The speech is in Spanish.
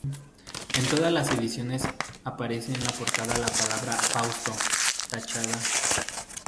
En todas las ediciones aparece en portada la palabra "Fausto" tachada.